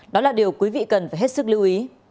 đó là điều quý vị cần phải hết sức lưu ý